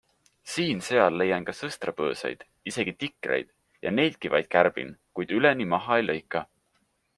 Siin-seal leian ka sõstrapõõsaid, isegi tikreid ja neidki vaid kärbin, kuid üleni maha ei lõika.